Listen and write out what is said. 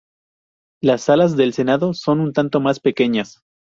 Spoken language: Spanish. Las salas del Senado son un tanto más pequeñas.